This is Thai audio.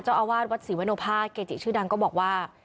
เจ้าอาวาสวัดศรีวโนภาคเกจิชื่อดังก็บอกว่า